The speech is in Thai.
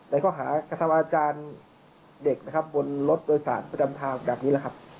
ข้อหากระทำอาจารย์เด็กนะครับบนรถโดยสารประจำทางแบบนี้แหละครับ